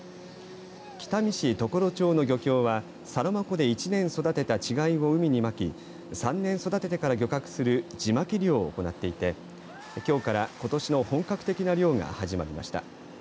北見市常呂町の漁協はサロマ湖で１年育てた稚貝を海にまき３年育ててから漁獲する地まき漁を行っていてきょうからことしの本格的な漁が始まりました。